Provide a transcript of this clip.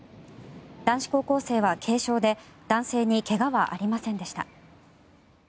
男子高校生は軽傷で男性に怪我はありませんでした。